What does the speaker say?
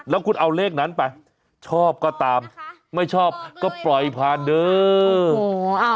แล้วคุณเอาเลขนั้นไปชอบก็ตามไม่ชอบก็ปล่อยผ่านเด้อ